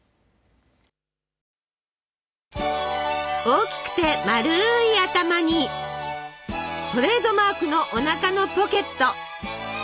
大きくて丸い頭にトレードマークのおなかのポケット。